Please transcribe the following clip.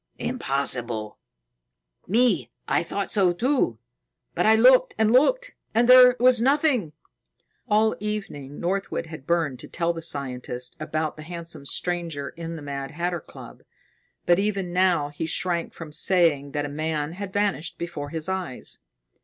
"Impossible. Me, I thought so, too. But I looked and looked, and there was nothing." All evening Northwood had burned to tell the scientist about the handsome stranger in the Mad Hatter Club. But even now he shrank from saying that a man had vanished before his eyes.